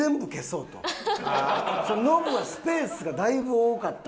ノブはスペースがだいぶ多かったんで。